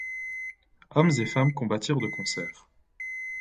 Hommes et femmes combattirent de concert.